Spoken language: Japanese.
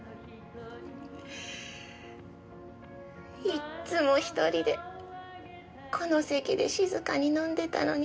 いっつも一人でこの席で静かに飲んでたのに。